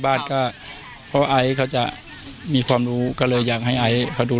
บ้านก็เพราะไอซ์เขาจะมีความรู้ก็เลยอยากให้ไอซ์เขาดู